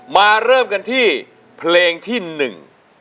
มาเริ่มกันที่เพลงที่หนึ่ง